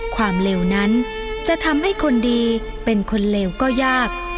ความเลวนั้นจะทำให้คนดีเป็นคนเลวก็ยาก